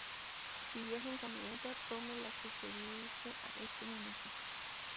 Si viaja en camioneta tome la que se dirige a este municipio.